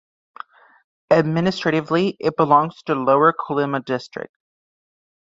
Administratively it belongs to the Lower Kolyma District.